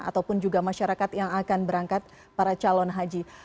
ataupun juga masyarakat yang akan berangkat para calon haji